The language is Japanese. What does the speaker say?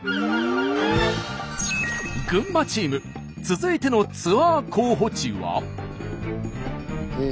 群馬チーム続いてのツアー候補地は。